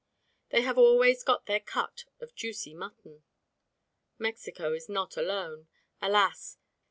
They have always got their cut of juicy mutton. Mexico is not alone. Alas!